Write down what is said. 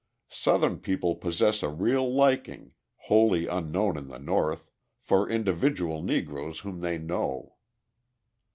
Southern people possess a real liking, wholly unknown in the North, for individual Negroes whom they know.